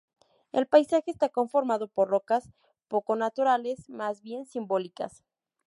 El paisaje está conformado por rocas poco naturales, más bien simbólicas.